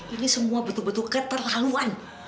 ini semua betul betul keterlaluan